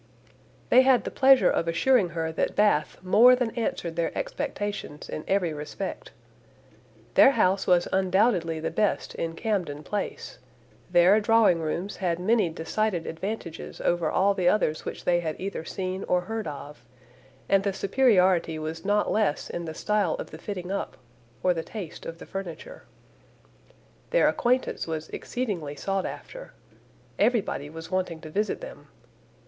They had the pleasure of assuring her that Bath more than answered their expectations in every respect. Their house was undoubtedly the best in Camden Place; their drawing rooms had many decided advantages over all the others which they had either seen or heard of, and the superiority was not less in the style of the fitting up, or the taste of the furniture. Their acquaintance was exceedingly sought after. Everybody was wanting to visit them.